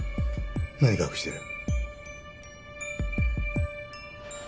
何隠してる？